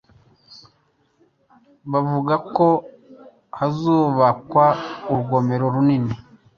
Bavuga ko hazubakwa urugomero runini.